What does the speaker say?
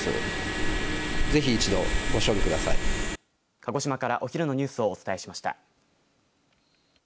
鹿児島からお昼のニュースをお伝えしました。